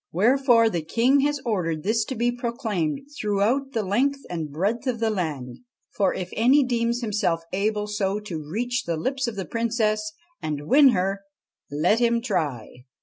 Wherefore the King has ordered this to be proclaimed throughout the length and breadth of the land, for if any deems himself able so to reach the lips of the Princess and win her, let him try.